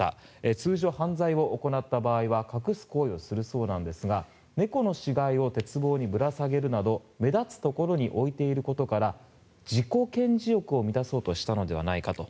通常、犯罪を行った場合は隠す行為をするそうなんですが猫の死骸を鉄棒にぶら下げるなど目立つところに置いていることから自己顕示欲を満たそうとしたのではないかと。